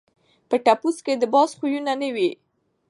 په ټپوس کي د باز خویونه نه وي.